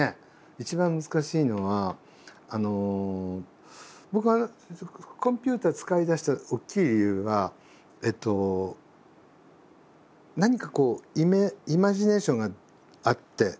一番難しいのは僕がコンピューター使いだした大きい理由は何かこうイマジネーションがあって一つ浮かんだ。